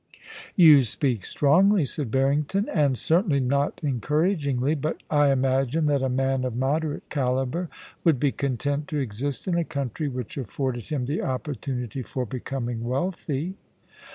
* You speak strongly,' said Barrington, * and certainly not encouragingly; but I imagine that a man of moderate calibre would be content to exist in a country which afforded him the opportunity for becoming wealthy.'